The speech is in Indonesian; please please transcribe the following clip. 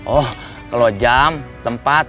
oh kalau jam tempat